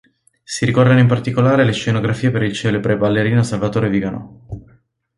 Si ricordano in particolare le scenografie per il celebre ballerino Salvatore Viganò.